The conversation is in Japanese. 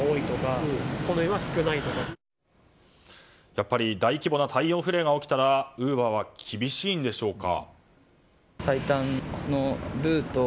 やはり大規模な太陽フレアが起きたらウーバーは厳しいんでしょうか。